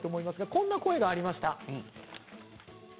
こんな声がありました。